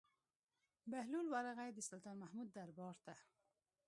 بهلول ورغى د سلطان محمود دربار ته.